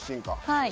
はい。